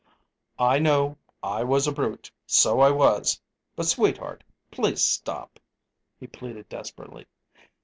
"I know. I was a brute so I was! But, sweetheart, please stop," he pleaded desperately.